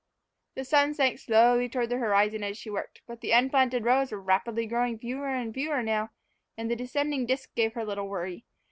The sun sank slowly toward the horizon as she worked. But the unplanted rows were rapidly growing fewer and fewer now, and the descending disk gave her little worry.